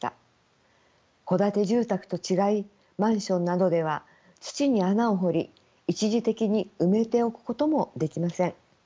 戸建て住宅と違いマンションなどでは土に穴を掘り一時的に埋めておくこともできません。